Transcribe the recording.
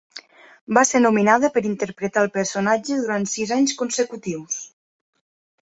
Va ser nominada per interpretar el personatge durant sis anys consecutius.